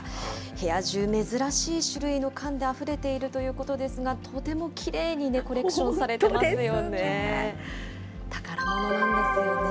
部屋中、珍しい種類の缶であふれているということですが、とてもきれいにコレクションされてますよね。